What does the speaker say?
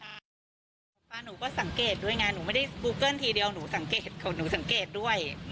ป้าหนูก็สังเกตด้วยไงหนูไม่ได้บูเกิ้ลทีเดียวหนูสังเกตหนูสังเกตด้วย